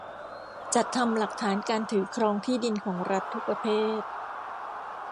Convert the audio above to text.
จัดทำหลักฐานการถือครองที่ดินของรัฐทุกประเภท